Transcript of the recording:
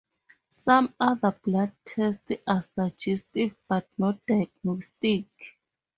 Some other blood tests are suggestive but not diagnostic.